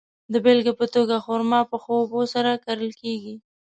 د بېلګې په توګه، خرما په ښه اوبو سره کرل کیږي.